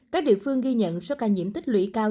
các địa phương ghi nhận số ca nhiễm tích lũy cao